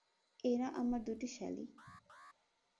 এঁরা আমার দুটি শ্যালী।